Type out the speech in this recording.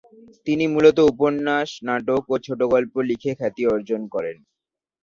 তিনি মূলত উপন্যাস, নাটক ও ছোটগল্প লিখে খ্যাতি অর্জন করেন।